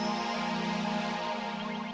aku senang banyak